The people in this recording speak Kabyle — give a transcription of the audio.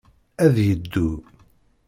Ad yeddu.